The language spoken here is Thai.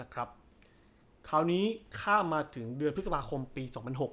คราวนี้ข้ามมาถึงเดือนพฤษภาคมปี๒๐๐๖